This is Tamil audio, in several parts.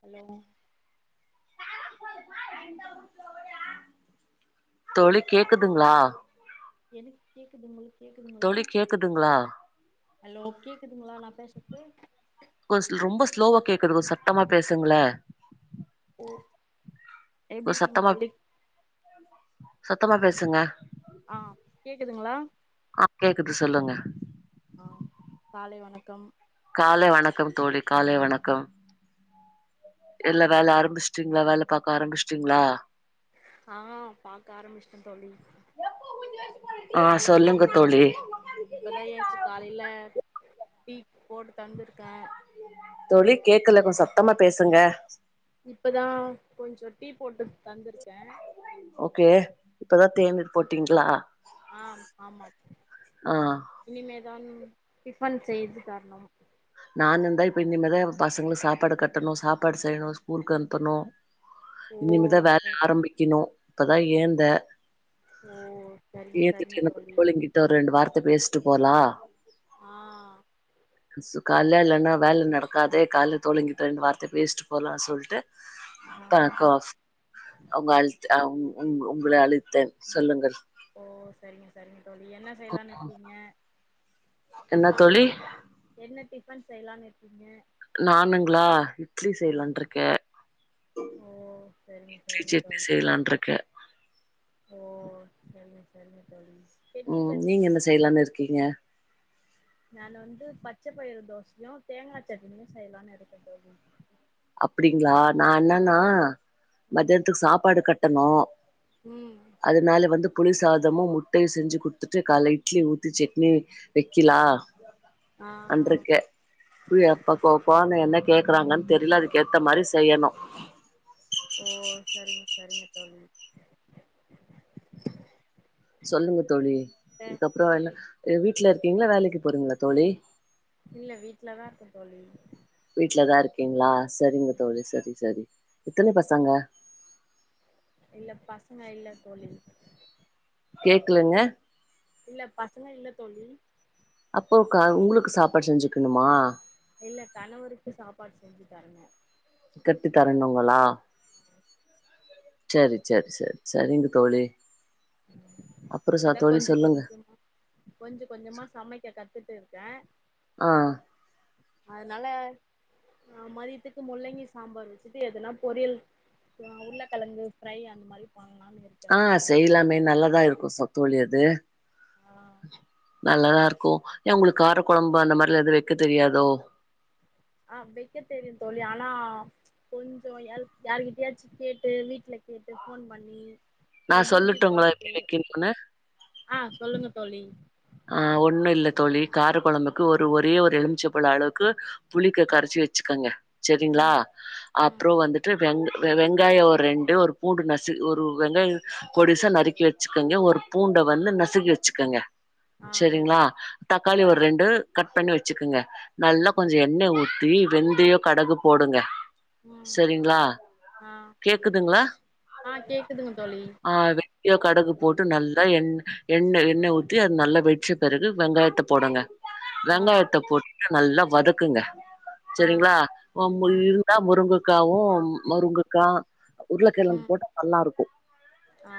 ஹலோ தோழி கேக்குதுங்ளா எனக்கு கேக்குது உங்களுக் கேக்குதுங்களா கேக்குதுங்களா ஹலோ கேக்குதுங்களா நா பேசற்து குது கொஞ் சத்தமா பேசுங்ளே ஓ எப்டி கொஞ்ச இர்க்கீங்க சத்தமா தோழி சத்தமா பேசுங்க ஆ கேக்குதுங்ளா ஆ கேக்குது சொல்லுங்க ஆ‌ காலை வணக்கம் காலை வணக்கம் தோழி காலை வணக்கம் எல்லா எப்டி வேல இருக்கீங்க? ஆரம்மிச்சுட்டீங்ளா வேல பாக்க ஆரம்மிச்சுட்டீங்ளா ஆ பாக்க ஆரம்மிச்சிட்டே தோழி ஆ சொல்லுங்க தோழி இப்பதா ஏன்ச்சு காலைல டீ போட்டு தந்திருக்கே தொழி கேக்குல கொஞ்ச சத்தமா பேசுங்கா இப்பதா கொஞ்சோ டீ போட்டு தந்திருக்கே ஓகே இப்பதா தேநீர் ம் போட்டீங்ளா ஆ ஆமா ஆ இனிமேதான் டிஃபன் செய்து தர்ணும் நானுந்தா இப்போ இனிமேதா பசங்களுக் சாப்பாடு கட்டணு சாப்பாடு செய்யணு ஸ்கூலுக்கு அனுப்பணு ஓ இனிமேதா வேல ச ஆரம்பிக்கணு இப்பதா எழ்ந்த ஓ சரிங்க சரிங்க ஏத்துட்டு [inaudible] தோழி புள்ளைங்ககிட்ட ஒரு ரெண்டு வார்த்த பேசட்டு போலா ஆ காலைல இல்லனா வேல நடக்காதே காலல தோழிங்ககிட்ட ரெண்டு வார்த்த பேசிட்டு போலான் சொல்ட்டு அ ஆ காஃப் அவங்க அழுத் அவங் உ உங்கள அழைத்தன் சொல்லுங்கள் ஓ சரிங்க சரிங்க தோழி என்ன செய்யலானு இருக்கிங்க என்ன தோழி என்ன டிஃபன் செய்யலானு இருக்கிங்க நானுங்ளா இட்லி செய்யலான்ட்ருக்கே ஓ சரிங்க இட்லி சரிங்க சட்னி தோழி செய்யலான்ட்ருக்கே ஓ சரிங்க சரிங்க தோழி பெட்டி ம் சட்னி நீங்க என்ன செய்யலானு இருக்கிங்க நானு வந்து பச்ச பயிறு தோசையு தேங்கா சட்னியு செய்யலானு இருக்க தோழி அப்டிங்ளா நா ஆ என்னனா ம் மத்யானத்துக்கு சாப்பாடு கட் டணு ம் அதுனால வந்து புளி சாதமு முட்டையு செஞ்சு குடுத்துட்டு கால இட்லி ஊத்தி செட்னி வெக்கிலா ஆ எ எப்ப ஃபோன என்ன கேக்கறாங்கன் தெரில அதுக் கேத்த மாதிரி செய்யணு ஓ சரிங்க சரிங்க தோழி சொல்லுங்க தோழி அ அதுக்கப்பறோ என்ன வீட்ல இருக்கீங்களா வேலைக்கு போறீங்களா தோழி இல்ல வீட்லதா இருக்கே தோழி வீட்லதா இருக்கீங்ளா சரிங்க தோழி சரி சரி எத்தன பசங்க இல்ல பசங்க இல்ல தோழி கேக்குலங்க இல்ல பசங்க இல்ல தோழி அப்போ க உங்களுக்கு சாப்பாடு செஞ்சுக்ணுமா இல்ல கணவருக்கு சாப்பாடு செஞ்சு தரணு கட்டி தரணுங்களா சரி சரி சர் சரிங்க தோழி அப்றோ ச இப்பதான் தோழி கொஞ்ச சொல்லுங்க கொஞ்ச கொஞ்ச கொஞ்சமா சமைக்க கத்துட்டு இருக்கு கே ஆஹ் அதனால ஆஹ் மதியத்துக்கு முள்ளங்கி சாம்பார் வச்சுட்டு எதுனா பொரியல் ஆஹ் உருளக்கெழங்கு ஃப்ரை அந்த மாரி பண்லான்னு இருக்கே ஆஹ் செய்லாமே நல்லதா இருக்கும் ச தோழி அது ஆ நல்லாதா இருக்கும் ஏன் உங்களுக்கு கார குழம்பு அந்த மாரிலா எதும் வக்க தெரியாதோ ஆஹ் வைக்க தெரியும் தோழி ஆனா கொஞ்சோ யா யார்கிட்டயாச்சும் கேட்டு வீட்ல கேட்டு போன் பண்ணி இல்ல நான் யூடியூப் சொல்லட்டுங்களா பாத்து எப்டி வக்கனுன்னு ஆ சொல்லுங்க தோழி ஆஹ் ஒண்ணும் இல்ல தோழி கார குழம்புக்கு ஒரு ஒரே ஒரு எலுமிச்ச பழ அளவுக்கு புளிக்க கரைச்சி வச்சுக்கோங்க சரிங்களா ம் ம் அப்புறம் வந்துட்டு வெங்க வெங்காயம் ஒரு ரெண்டு ஒரு பூண்டு நசு ஒரு வெங்காயம் பொடிசா நறுக்கி வச்சுக்கோங்க ஒரு பூண்ட வந்து நசுக்கி வச்சுக்கங்க ஆ சரிங்களா தக்காளி ம் ஒரு ரெண்டு கட் பண்ணி வச்சுக்கங்க நல்லா ம் கொஞ்சம் எண்ண ஊ தி வெந்தயோ கடகு போடுங்க ம் சரிங்களா ஆ கேக்குதுங்களா ஆ கேக்குதுங்க தோழி ஆஹ் வெந்தயோ கடுகு போட்டு நல் தா என் எண்ண எண்ண ஊத் தி அது நல்ல வெட்ச பிறகு வெங்காயத்த போடுங்க ஆ வெங்காயத்த போட்டு நல்லா வதக்குங்க ஆ சரிங்களா உங் ம் இருந்தா முருங்க காவும் முருங்கக்கா உருளக்கிழங்கு ம் போட்டு நல்லா இருக்கும் ஆ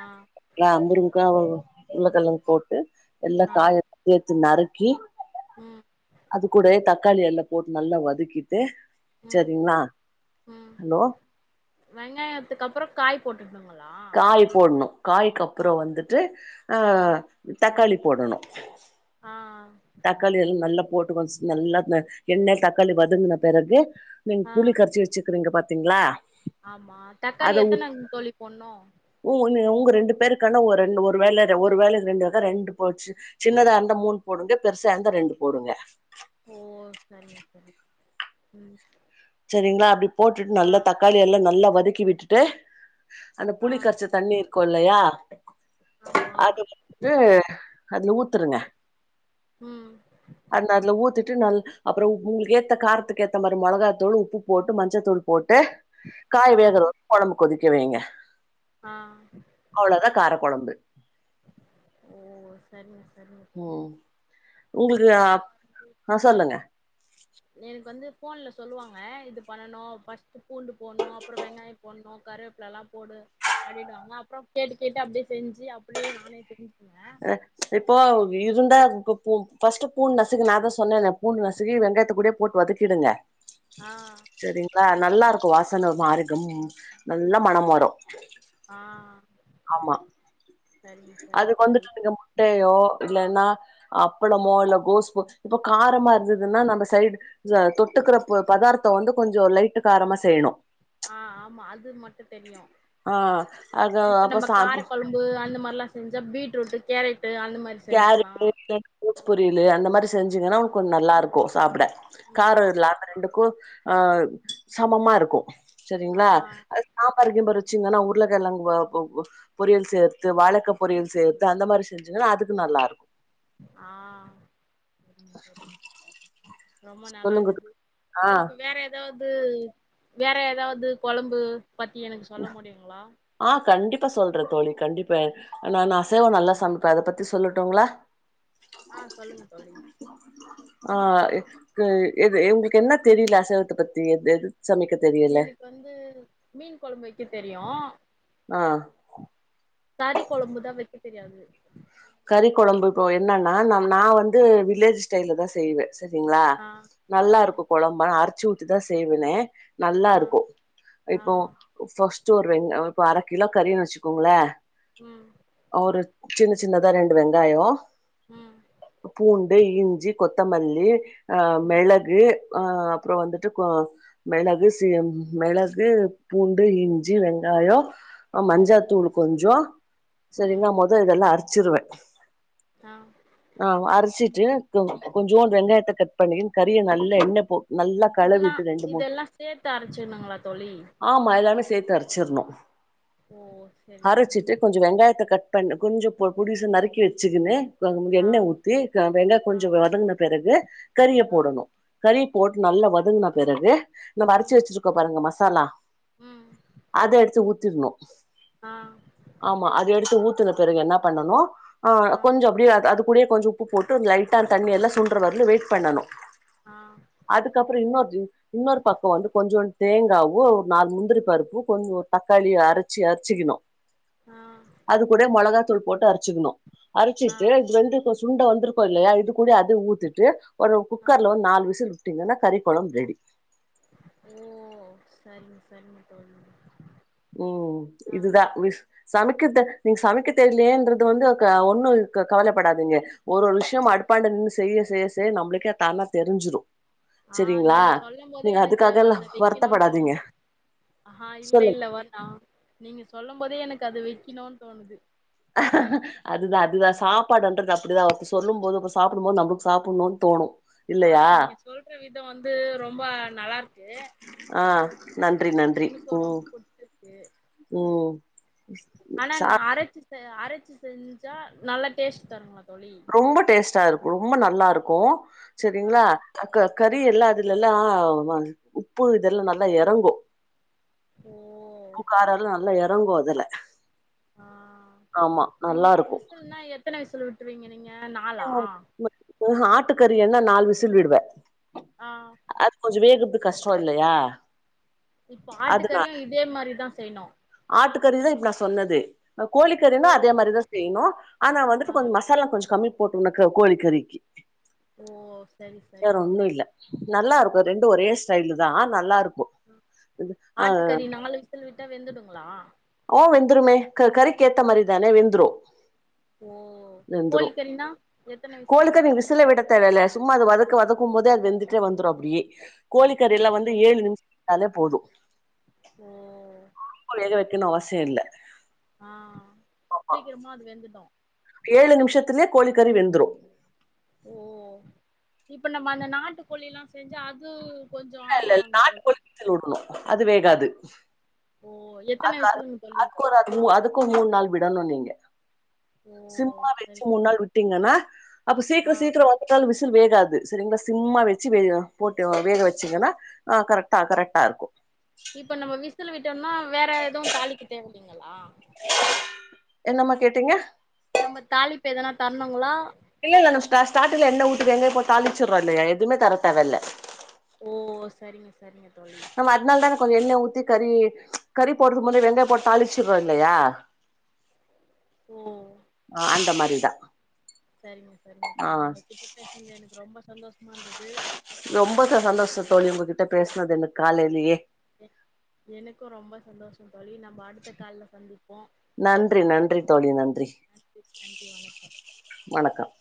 ஆஹ் அந்த ரூம் க்க உருளக்கெழங்கு போட்டு எல்லா ஆ காய [unintelligible] நறுக்கி ம் அது கூடவே தக் தக்காளி எல்லாம் போட்டு நல்லா வதக்கிட்டு உம் சரிங்களா? உம் ஹலோ! வெங்காயத்துக்கு அப்புறம் காய் போட்டுக்கணுங்களா காய் போடணும் காய்க் ஆ அப்புறம் வந்துட்டு ஆ ஆஹ் தக்காளி போடணும் ஆஹ் ஆஹ் தக்காளி எல் நல்லா போட்டு கொஸ் நல்லா த எண்ணெ தக்காளி வதங்கின பெறகு நீங் ஆ புளி கரைச்சி வெச்சுக்கிறீங்க பா திங்ளா ஆமா தக்காளி எத்தனங் தோழி பொட்ணு வு ரெண்டு பேருக்கான ஒர் ரண் ஒரு வேல ஒரு வேல ரெண்டு த ரெண்டு போச்சு சின்னதா இருந்தா மூண் போடுங்க பெருசாருந்தா ரெண்டு போடுங்க ஓ சரிங்க சரி உம் செரிங்ளா அப்டி போட்டுட் நல்லா தக்காளி எல்லா நல்லா வத கி விட்டுட்டு அந்த ஆ புளி கரைச்ச தண்ணீர் கொல்லையா ஆமா அது [inaudible] அதுல ஊத்துருங்க ம் அந் அதுல ஊத்திட்டு நல் அப்ற உ உங்ளுக் ஏத்த காரத்துக்கு ஏத்த மாரி மொளகா தூளு உப்பு போட்டு மஞ்சத்தூள் போட் ட்டு காய் ஆ வேக [inaudible] கொதிக்க வைய்ங்க ஆ அவ்ளதா கார கொழம்பு ஓ சரிங் ச உம் உங்குளுக்கு அப் அ சொல்லுங்க எனுக் வ வந்து ஃபோன்ல சொல்லுவாங்க இது பண்ணணு ஃபஸ்ட்டு பூண்டு போட்ணு அப்புறோ வெங்காயம் போட்ணு கருவேப்லல்லா போடு அப்டினுவாங்க அப்புற கேட்டு கேட்டு அப்டியே செஞ்சி அப்டியே நானே செஞ்சு [inaudible] அ இப்போ இருந்தா அது பொ பொ பஸ்ட் பூண் நசுக்கு நா தா சொன்னேனே பூண் நசுகி வெங்காயத்த கூடே போட் வதக்கிடுங்க ஆ செரிங்ளா நல்லாருக்கு வாசன ஒரு மாரி கம் நல்லா மணம் வரு ஆ ஆமா சரிங்க சரிங்க அதுக்கு தோழி வந்துட்டு [inaudible] முட்டையோ இல்லனா அப்பளமோ இல்ல கோஸ் பொ இப்ப காரமா இருந்ததுன்னா நம்ம சைடு ஜ தொட்டுக்கற பல பதார்த்தோ வந்து கொஞ்சோ லைட்டு காரமா செய்யணு ஆஹ் ஆமா அது மட்டு தெரியு ஆ அது இப்ப அப்ப நம்ம சா காரக்கொழம்பு இந்த மார்லா செஞ்சா பீட்ரூட்டு கேர [inaudible] புரியலயே அந்த மாரி ஸ் ஆ செஞ்சிங்கன்னா அவுனுக் கொஞ் நல்லாரு கு சாப்பிட ம் கார இல்லாம ரெண்டு கு ஆ சமமா இருக்கு ஆ சரிங்களா அது சா சாம்பார் கிம்பார் வச்சிங்கன்னா உருளக்கிழங்கு பொ பொ பொரியல் சேத்து வாழக்கா பொரியல் சேத்து அந்த மாரி செஞ்சுங்கன்னா அது நல்லா இருக்கு ஆ ரொம்ப நல்லா சொல்லுங்க இருந்தது ஆ உங்களுக்கு வேற ஏதாவது து வேற ஏதாவது கொழம்பு பத்தி எனக்கு சொல்ல முடியுங்களா ஆ கண்டிப்பா சொல்ற தோழி கண்டிப்பா நானு அசைவம் நல்லா சமைப்பே அத பத்தி சொல்லட்டுங்களா ஆ சொல்லுங்க தோழி ஆக் கு எது உங்களுக்கு என்ன தெரியல அசைவத்த பத்தி எது சமைக்க தெரியல எனக்கு வந்து மீன் குழம்பு வை க்க தெரியு ஆ கறி கொழம்புதா வெக்க தெரியாது கறி குழம்புக்கு என்னன்னா ந நா வந்து வில்லேஜ் ஸ்டைல்ல தா செய்வே சரிங்களா ஆ ஆ நல்லா இருக்கு குழம்பு ஆனா அர்த் ச்சி ஊத்தி தா செய்வனே நல்லா ஆ இருக்கு ஆ இப்போ ஃபஸ் சி ஒரு ரெண் இப்ப அரை கிலோ கறின்னு வச்சுக்கோங்களே ம் ஒரு சின்ன சின்னதா ரெண்டு வெங்காயொ ம் பூண்டு இஞ்சி கொத்தமல்லி ஆ ம் மிளகு ஆ அப்றோ வந்துட்டு கொ மிளகு சீ மிளகு பூண்டு இஞ்சி வெங்காயொ ஆ ம் மஞ்சத்தூளு கொஞ்ச ம் சரிங்களா மொத இதெல்லா அரச் சிருவே ஆ ஆ அரைச்சிட்டு கொ கொஞ்சோண்டு வெங்காயத்த கட் பண்ணி கறியை நல்லா எண்ண போ நல்லா இதெல்லா கலவிட்டு ரெண்டு மூணு இதெல்லா சேத்து அரைச்சுனுங்களா தோழி ஆமா எல்லாமே சேத்து அரச்சிருணு ஓ செரி செரி அரைச்சிட்டு கொஞ்ச வெங்காயத்த கட் பண்ண கொஞ்சம் பொ பொடிசா நறுக்கி வச்சுக்குனு ஆ எண்ணெய ஊத்தி வெங்காய ஆ கொஞ்ச வதங்குன பெறகு கறிய ஆ போடணு கறி போட்டு நல்லா வதங்கனா பிறகு நம அரைச்சு ம் வச்சிருக்கோ பாருங்க மச தல ம் அது எடுத் சூ ஊத்திடனு ஆ ஆமா அது எடுத்து ஊத் ஊத்துன பிறகு என்னா பண்ணனு ஆஹ் ஆ கொஞ்சோ அப்டியே அத அதுக் அப்படியே கொஞ்ச உப்பு போட்டு லைட்டா தண்ணியெல்லா சுன்ற வரலயு வெயிட் பண்ணணு ஆ அதுக்கப்பற இன்னொரு இன்னொரு பக்க வந்து கொஞ்சோ தேங்காவு ஓ நாலு முந்திரி பருப்பு கொஞ்ச தக்காளிய அரைச்சி அரைச்சிக்கிணு ஆ அது கூட மொளகாத்தூள் போட்டு அரைச்சுகிக்கணு ஆ அரைச்சிட்டு இது வெந்து கொஸ் சுண்ட வந்திருக்கோ இல்லையா இது கூட அத ஊத்திட்டு ஒரு ஆ குக்கர்ல வந் நாலு விசில் டிங்கன்னா கறி கொளம்ரெடி ஓ சரிங்க சரிங்க தோழி உம் ஆ இதுதா விஸ் சமைக்கத் தே நீ சமைக்க தெரியலையகின்றது வந்து க்க ஒன்னும் க்க கவலைப்படாதீங்க ஒரு ஒரு விஷயம் அடுப்பாண்டு நின்று செய்ய செய்ய செய்ய நம்மளுக்கே தானா தெரிஞ்சிரு ஆஹ் சரிங்களா நீங்க சொல்லும் போதே நீங்க எனக்கு அதுக்காகல்லா அத வைக்கணும்னு வருத்தப்படாதீங்க தோணுது ஆஹா இல்ல சொல்லுங்க இல்ல வன் ஆ நீங்க சொல்லும் போதே எனக்கு அது வைக்கணுனு தோணுது அதுதா அதுதா சாப்பாடுன்றது அப்படிதா ஒருதர் சொல்லுபோது சாப்டும்போது நம்மளுக்கு சாப்டணும்ன்னு தோணு இல்லையா ஆஹ் நீங்க சொல்ற விதம் வந்து ரொம்ப நல்லாருக்கு ஆ நன்றி நன்றி எனக்கு ரொம்ப ம் புடிச்சிருக்கு ம் சா ஆனான்ன அரைச்சிச்செ அரைச்சு செஞ்சா நல்லா டேஸ்ட் தருங்களா தோழி ரொம்ப டேஸ்டா இருக்கு ரொம்ப நல்லா இருக்கு கோ ஆ சரிங்களா அக்க ஆ கறி எல்லா அதுலல்லா ஆமங் உப்பு இதெல்லா நல்லா எறங்கு ஓ புக்காரலா சரி நல்லா எறங்கு அதுல ஆ ஆமா நல்லாருக்கு திரிங்கன் [inaudible] ஆட்டுக்கறி என்னா நாலு விசில் விடுவே ஆ அது கொஞ்ச வேகறதுக்கு கஷ்ட இல்லையா இப்ப ஆட்டுக்கறியு இதே மாரிதா செய்ணு ஆட்டுக்கறிதா இப்ப நா சொன்னது ஓ கோழிக்கறினா அதே மாரிதா செய்யணு ஆனா ஆ வந்துட்டு கொஞ்ச மசாலா கொஞ்ச கம்மி போட்டுனக்கு கோழிக்கறிக்கு ஓ சரி வேற சரிங்க ஒண்ணு தோழி இல்ல நல்லா ரெண்டு ஒரே ஸ்டைலு தா நல்லா இருக்கு ஆ ஆட்டுக்கறி நாலு விசில் விட்டா வெந்துடுங்க ஓ வெந்துருமே க கறிக்கேத்த மாரிதானே வெந்துரு ஓ வெந்துரு கோழிக்கறினா எத்தன விசில் தேவல்ல சும்மா அது வதக்க வதக்கும் போதே அது வெந்துட்டே வந்துரும் அப்டியே ஓ கோழிக்கறிலா வந்து ஏழு நிமிஷ அது போதும் உம் அவசியோ இல்ல ஆஹ் சீக்கிரமா அது வெந்துடு ஏழு நிமிஷத்திலே கோழிக்கறி வெந்துரு ஓ இப்ப நம்ம அந்த நாட்டுக்கோழி எல்லா செஞ்சா அது கொஞ்சோ இல்ல இல்ல இ ஆகுல்லங்க தோழி நாட்டுக்கோழி விசிலுடணு அது வேகாது ஓ எத்தன அது அ விசிலுங்க தோழி அது அ அதுக்கும் மூணு நாளு விடணு நீங்க ஓ சிம்மா வச்சு சரிங்க மூணு நாளு விட்டீங்கன்னா அப்ப ஆ சீக்கிர சீக்கிர வந்துட்டாலு விசி ல் வேகாது சரிங்ளா சிம்மா வச்சு விட போட்டு வேக வச்சு சிங்கனா கரெக்டா கரெக்டா இருக்கு இப்ப நம்ம விசில் விட்டம்னா வேற எதுவு தாலிக்க தேவயில்ல லா என்னம்மா கேட்டீங்க நம்ம தாலிப்ப எதனா தரணுங்களா இல்ல இல்ல நம் ஸ்ட் ஸ்டாட்டிங்ல எண்ணெ ஊத்தி வெங்காய போட்டு தாளிச்சுடுறோ இல்லையா எதுமே தர தேவையில்லை ஓ சரிங்க சரிங்க தோழி நம்ம அதனால தான கொஞ்ச எண்ணெய் ஊத்தி கறி கறி போடுறதுக்கு முன்ன வெங்காயம் போட்டு தாளிச்சர்றோ இல்லையா ஓ ஆஹ் அந்த மாரி ரிதா சரிங்க சரிங்க தோழி உங்ககிட்ட பேசுனது எனக்கு ரொம்ப சந்தோஷம் ரொம்ப ச சந்தோஷம் தோழி உங்க கிட்ட பேசுனது எனக்கு காலேலயே எ எனக்கும் ரொம்ப சந்தோஷம் தோழி நம்ம அடுத்த கால்ல சந்திப் நன்றி நன்றி தோழி நன்றி நன்றி நன்றி வணக்கம் வணக்கம்